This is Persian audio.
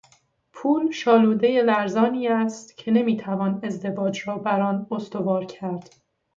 پول شالودهی لرزانی است که نمیتوان ازدواج را بر آن استوار کرد.